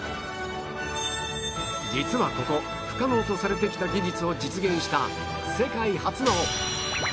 実はここ不可能とされてきた技術を実現した